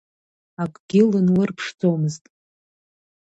Акгьы лынлырԥшӡомызт.